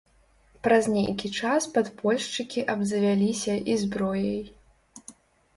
Праз нейкі час падпольшчыкі абзавяліся і зброяй.